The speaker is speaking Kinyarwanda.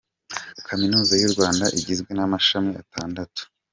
Kaminuza y’u Rwanda igizwe n’amashami atandatu.